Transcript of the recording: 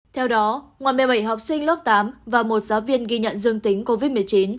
theo đó ngoài một mươi bảy học sinh lớp tám và một giáo viên ghi nhận dương tính covid một mươi chín